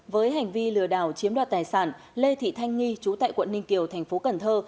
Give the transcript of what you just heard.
với hành vi lừa đảo chiếm đoạt tài sản lê thị thanh nghi trú tại quận ninh kiều thành phố cần thơ